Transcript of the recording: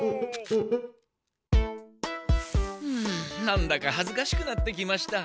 なんだかはずかしくなってきました。